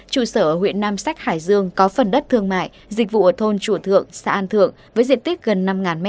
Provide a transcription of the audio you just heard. trụ sở ở huyện nam sách hải dương có phần đất thương mại dịch vụ ở thôn chùa thượng xã an thượng với diện tích gần năm m hai